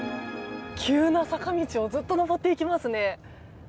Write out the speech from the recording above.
急な坂道をずっと上っていきますね。